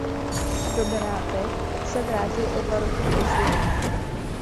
Do Benátek se vrátil o dva roky později.